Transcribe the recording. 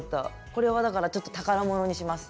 これはだからちょっと宝物にします。